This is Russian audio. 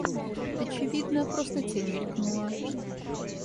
Очевидно, просто тень мелькнула.